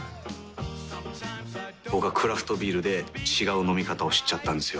僕はクラフトビールで違う飲み方を知っちゃったんですよ。